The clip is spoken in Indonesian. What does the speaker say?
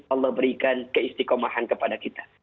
allah berikan keistikomahan kepada kita